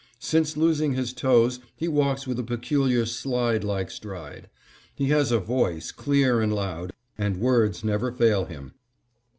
Since losing his toes, he walks with a peculiar slide like stride. He has a voice clear and loud, and words never fail him.